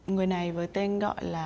người này với tên gọi là